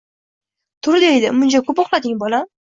Tur deydi, muncha ko’p uxlading, bolam.